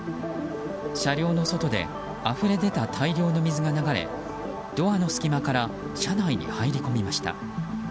車両の外であふれ出た大量の水が流れドアの隙間から車内に入り込みました。